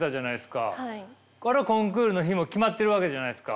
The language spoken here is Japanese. あれはコンクールの日も決まってるわけじゃないすか。